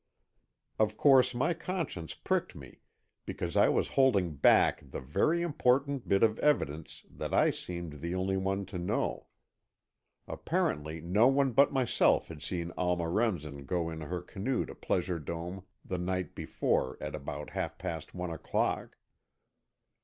Of course my conscience pricked me because I was holding back the very important bit of evidence that I seemed the only one to know. Apparently no one but myself had seen Alma Remsen go in her canoe to Pleasure Dome the night before at about half past one o'clock.